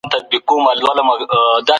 پلان جوړونه د بېکاري ستونزه حل کوي.